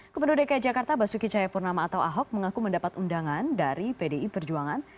gubernur dki jakarta basuki cahayapurnama atau ahok mengaku mendapat undangan dari pdi perjuangan